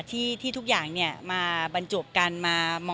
ที่ทุกอย่างมาบรรจบกันมา